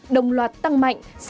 đồng loạt tăng mạnh